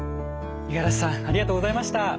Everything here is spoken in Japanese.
五十嵐さんありがとうございました。